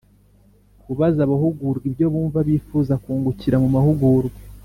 Kubaza abahugurwa ibyo bumva bifuza kungukira mu mahugurwa